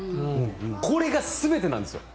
これが全てなんですよ。